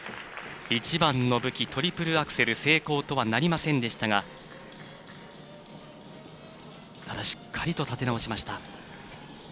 一番の武器、トリプルアクセル成功とはなりませんでしたがただ、しっかりと立て直しました。